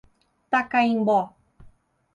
Tacaimbó